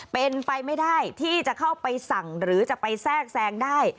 เป็นไปไม่ได้ที่จะเข้าไปสั่งหรือจะไปแทรกแทรงได้